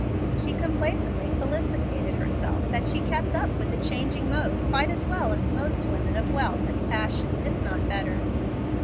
She complacently felicitated herself that she kept up with the changing mode quite as well as most women of wealth and fashion, if not better.